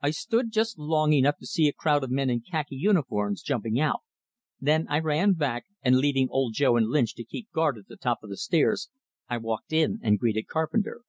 I stood just long enough to see a crowd of men in khaki uniforms jumping out; then I ran back, and leaving Old Joe and Lynch to keep guard at the top of the stairs, I walked in and greeted Carpenter.